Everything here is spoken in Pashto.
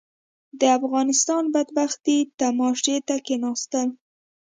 د افغانستان بدبختي تماشې ته کښېناستل.